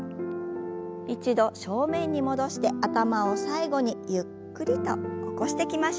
一度正面に戻して頭を最後にゆっくりと起こしてきましょう。